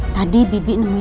tadi bibi nemuinnya sama mama